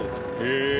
へえ。